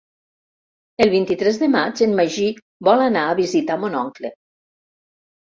El vint-i-tres de maig en Magí vol anar a visitar mon oncle.